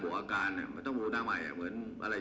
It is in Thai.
บูระการบ่วงการตามมาทำใหม่